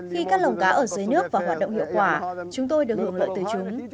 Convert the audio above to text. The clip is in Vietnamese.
khi các lồng cá ở dưới nước vào hoạt động hiệu quả chúng tôi được hưởng lợi từ chúng